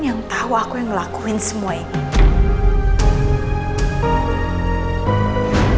yang tahu aku yang ngelakuin semua ini